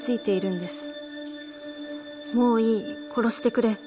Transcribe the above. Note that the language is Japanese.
『もういい殺してくれ。